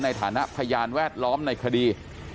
ในฐานะพยานแวดล้อมในคดี